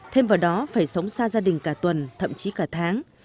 thêm vào đó phải sống xa gia đình cả tuần thậm chí cả tháng